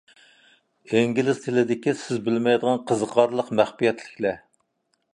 ئىنگلىز تىلىدىكى سىز بىلمەيدىغان قىزىقارلىق مەخپىيەتلىكلەر.